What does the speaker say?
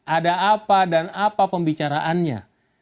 ada apa dan apa pembicaraannya